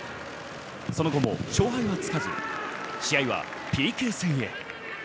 その後も勝敗がつかず、試合はＰＫ戦へ。